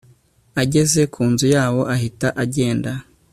ageze ku nzu yabo ahita agenda